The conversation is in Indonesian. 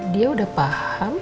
dia udah paham